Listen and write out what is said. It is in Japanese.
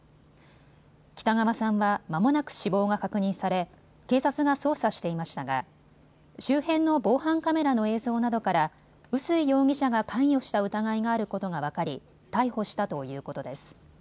北川さんはまもなく死亡が確認され警察が捜査していましたが周辺の防犯カメラの映像などから臼井容疑者が関与した疑いがあることが分かり逮捕したということです。